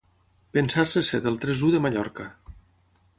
Pensar-se ser del tres-u de Mallorca.